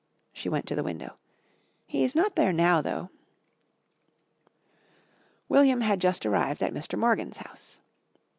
She went to the window. "He's not there now, though." William had just arrived at Mr. Morgan's house.